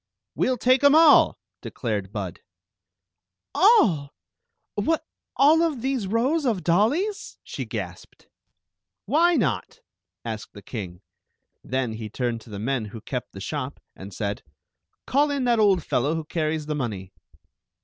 " We '11 take 'em all," declared Bud. "All! What — all these rows of dollies?" she gasped. " Why not ?" asked the king. Then he turned to the men who kept the shop and said: " Call in that old fellow who carries the money."